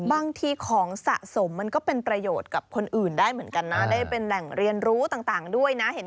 บางทีของสะสมมันก็เป็นประโยชน์กับคนอื่นได้เหมือนกันนะได้เป็นแหล่งเรียนรู้ต่างด้วยนะ